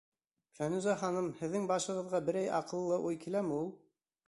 Фәнүзә ханым, һеҙҙең башығыҙға берәй аҡыллы уй киләме ул?